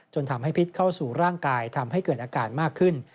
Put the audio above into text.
ทำให้พิษเข้าสู่ร่างกายทำให้เกิดอาการมากขึ้น